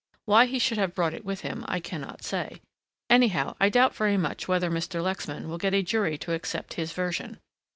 Why he should have brought it with him, I cannot say. Anyhow I doubt very much whether Mr. Lexman will get a jury to accept his version.